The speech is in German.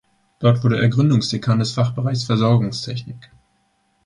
Dort wurde er Gründungsdekan des Fachbereichs Versorgungstechnik.